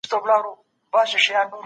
آیا ته غواړې چي تاريخ پوه سې؟